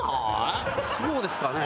そうですかね？